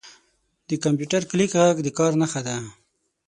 • د کمپیوټر کلیک ږغ د کار نښه ده.